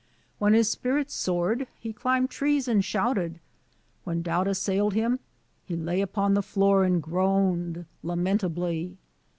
When his spirit soared, he climbed trees and shouted; when doubt as sailed him, he lay upon the floor and groaned lamentably.